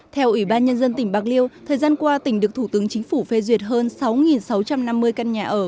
theo ủy ban nhân dân tỉnh bạc liêu thời gian qua tỉnh được thủ tướng chính phủ phê duyệt hơn sáu sáu trăm năm mươi căn nhà ở